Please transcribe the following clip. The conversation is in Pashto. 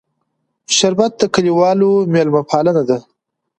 شربت د کلیوالو میلمهپالنه ده